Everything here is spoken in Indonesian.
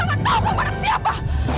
ibu juga nggak tahu kamu anak siapa